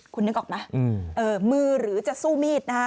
คุณนึกออกไหมมือหรือจะสู้มีดนะฮะ